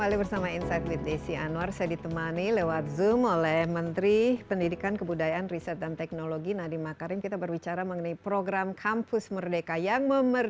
inside with desi anwar akan segera kembali